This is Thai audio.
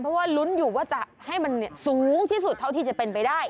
เพราะว่าลุ้นอยู่ว่าจะให้มันสูงที่สุดเท่าที่จะเป็นไปได้